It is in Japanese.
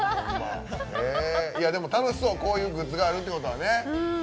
でも楽しそう、こういうグッズがあるってことは。